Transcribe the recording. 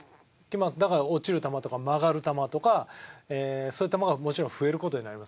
だから落ちる球とか曲がる球とかそういう球がもちろん増える事になります。